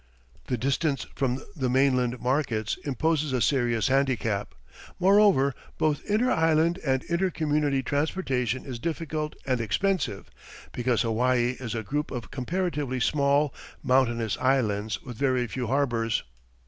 The distance from the mainland markets imposes a serious handicap. Moreover, both inter island and inter community transportation is difficult and expensive, because Hawaii is a group of comparatively small, mountainous islands with very few harbours.